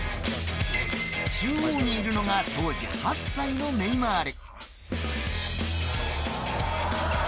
中央にいるのが当時８歳のネイマール。